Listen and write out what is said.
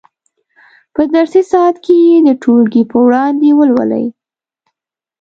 په درسي ساعت کې یې د ټولګي په وړاندې ولولئ.